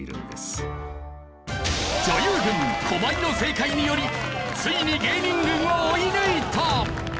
女優軍駒井の正解によりついに芸人軍を追い抜いた！